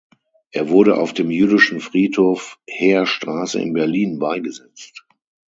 Er wurde auf dem Jüdischen Friedhof Heerstraße in Berlin beigesetzt.